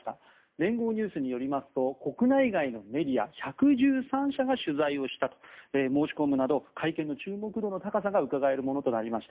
連合ニュースによりますと国内外のメディア１１３社が取材をした、申し込むなど会見の注目度の高さがうかがえるものとなりました。